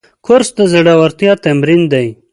کورس د زړورتیا تمرین دی.